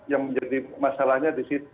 yang menjadi masalahnya di sini